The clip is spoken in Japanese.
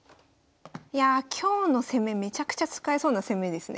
いや今日の攻めめちゃくちゃ使えそうな攻めですね。